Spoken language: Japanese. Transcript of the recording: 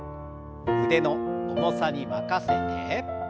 腕の重さに任せて。